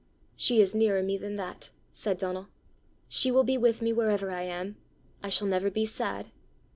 "She is nearer me than that," said Donal. "She will be with me wherever I am; I shall never be sad.